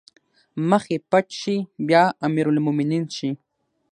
مخ يې پټ شي بيا امرالمومنين شي